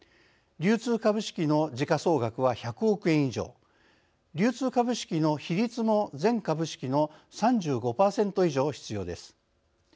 流通株式の時価総額は１００億円以上流通株式の比率も全株式の３５％以上必要です。